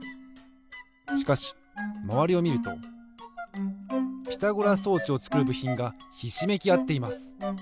しかしまわりをみるとピタゴラ装置をつくるぶひんがひしめきあっています。